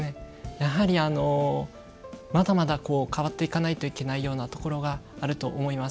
やはり、まだまだ変わっていかないといけないようなところがあると思います。